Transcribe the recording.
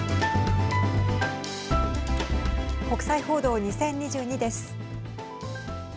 国際報道２０２２です。